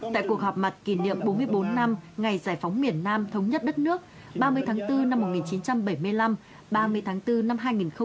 tại cuộc họp mặt kỷ niệm bốn mươi bốn năm ngày giải phóng miền nam thống nhất đất nước ba mươi tháng bốn năm một nghìn chín trăm bảy mươi năm ba mươi tháng bốn năm hai nghìn hai mươi